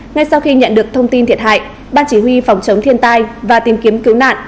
ngay sau khi nhận được thông tin thiệt hại ban chỉ huy phòng chống thiên tai và tìm kiếm cứu nạn